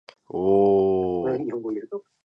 おおおおお